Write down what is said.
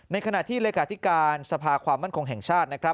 ในขณะที่รายการที่การสภาความมั่นคงแห่งชาติ